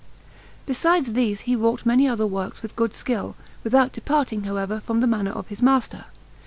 Besides these, he wrought many other works with good skill, without departing, however, from the manner of his master.